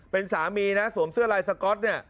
เป็นสามีนะสวมเสื้อลายสก๊อตเนี่ย